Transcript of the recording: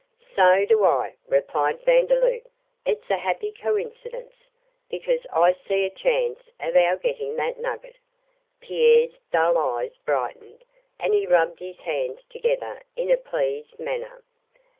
'So do I,' replied Vandeloup; 'it's a happy coincidence, because I see a chance of our getting that nugget.' Pierre's dull eyes brightened, and he rubbed his hands together in a pleased manner.